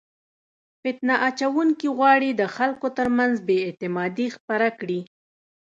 فتنه اچونکي غواړي چې د خلکو ترمنځ بې اعتمادي خپره کړي.